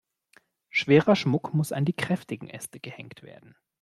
Schwerer Schmuck muss an die kräftigen Äste gehängt werden.